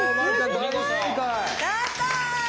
やった！